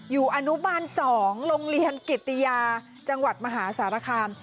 อนุบาล๒โรงเรียนกิตติยาจังหวัดมหาสารคาม